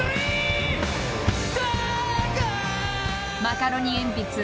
［マカロニえんぴつ